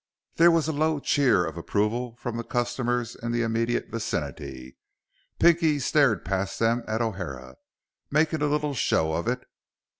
There was a low cheer of approval from the customers in the immediate vicinity. Pinky stared past them at O'Hara, making a little show of it.